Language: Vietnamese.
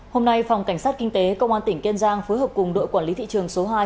hôm nay phòng cảnh sát kinh tế công an tỉnh kiên giang phối hợp cùng đội quản lý thị trường số hai